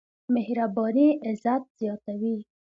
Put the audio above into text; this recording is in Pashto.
مهرباني عزت زياتوي.